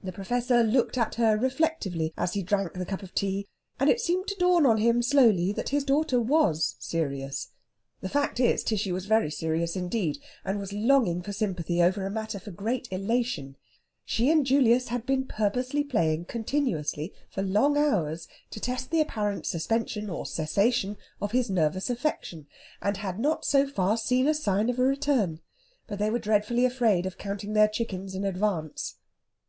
The Professor looked at her reflectively as he drank the cup of tea, and it seemed to dawn on him slowly that his daughter was serious. The fact is, Tishy was very serious indeed, and was longing for sympathy over a matter for great elation. She and Julius had been purposely playing continuously for long hours to test the apparent suspension or cessation of his nervous affection, and had not so far seen a sign of a return; but they were dreadfully afraid of counting their chickens in advance.